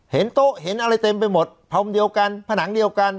เห็นโต๊ะเห็นอะไรเต็มไปหมดพรมเดียวกันผนังเดียวกัน